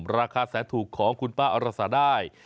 ราคาแสนถูกของคุณป้าอรสาได้